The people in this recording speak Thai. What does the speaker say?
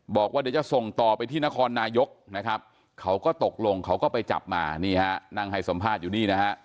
บอกว่าเดี๋ยวจะส่งต่อไปที่นครนายกนะครับเขาก็ตกลงเขาก็ไปจับมานี่ฮะนั่งให้สัมภาษณ์อยู่นี่นะฮะ